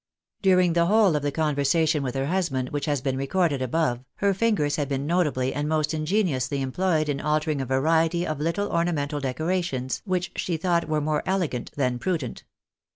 During the whole of the conversation with her husband which has been recorded above, her fingers had been notably and most ingeniously employed in altering a variety of little ornamental decorations which she thought were more elegant than prudent.